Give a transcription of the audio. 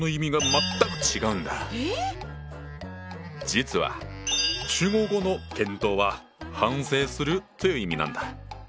実は中国語の「検討」は「反省する」という意味なんだ。